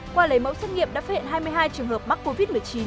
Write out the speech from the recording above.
qua lấy mẫu xét nghiệm đã phát hiện hai mươi hai trường hợp mắc covid một mươi chín